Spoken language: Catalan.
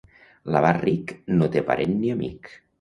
L'avar ric no té parent ni amic.